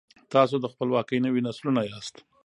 تاسو د خپلواکۍ نوي نسلونه یاست.